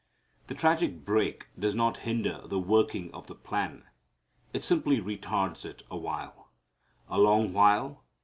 The tragic break does not hinder the working of the plan. It simply retards it awhile. A long while?